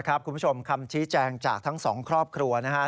คุณผู้ชมคำชี้แจงจากทั้งสองครอบครัวนะครับ